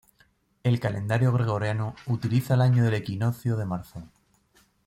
El calendario gregoriano utiliza el año del equinoccio de marzo.